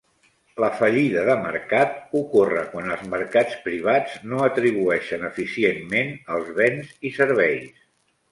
La "fallida de marcat" ocorre quan els mercats privats no atribueixen eficientment els béns i serveis.